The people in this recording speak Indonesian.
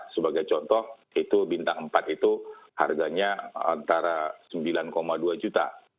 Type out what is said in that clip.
sebagai contoh itu bintang empat itu harganya antara sembilan dua juta